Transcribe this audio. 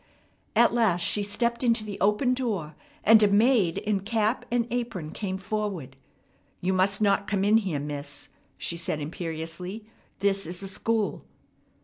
At last she stepped into the open door, and a maid in cap and apron came forward. "You must not come in here, miss," she said imperiously. "This is a school."